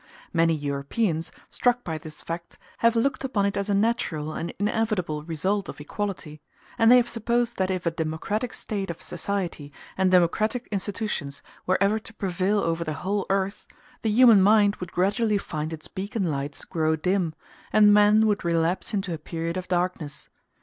Many Europeans, struck by this fact, have looked upon it as a natural and inevitable result of equality; and they have supposed that if a democratic state of society and democratic institutions were ever to prevail over the whole earth, the human mind would gradually find its beacon lights grow dim, and men would relapse into a period of darkness.